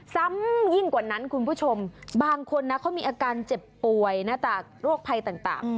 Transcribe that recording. ซ้ำยิ่งกว่านั้นคุณผู้ชมบางคนนะเขามีอาการเจ็บป่วยหน้าตากโรคภัยต่าง